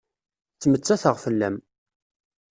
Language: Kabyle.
Ttmettateɣ fell-am.